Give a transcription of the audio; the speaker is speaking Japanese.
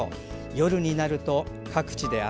夜になると各地で雨。